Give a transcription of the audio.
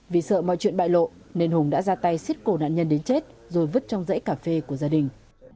vì sợ mọi chuyện bại lộ nên hùng đã ra tay xiết cổ nạn nhân đến chết rồi vứt trong dãy cà phê của gia đình